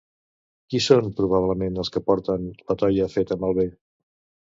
Qui són, probablement, els que porten la toia feta malbé?